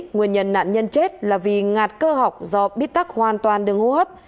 nguyên nhân nạn nhân chết là vì ngạt cơ học do bít tắc hoàn toàn đường hô hấp